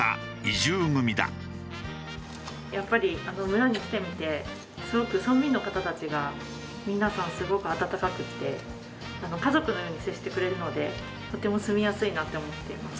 やっぱり村に来てみてすごく村民の方たちが皆さんすごく温かくて家族のように接してくれるのでとても住みやすいなって思っています。